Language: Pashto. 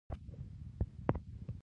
ازادۍ مېلمستون کې ښکلې خونې وښودل شوې.